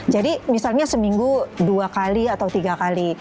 jadi misalnya seminggu dua kali atau tiga kali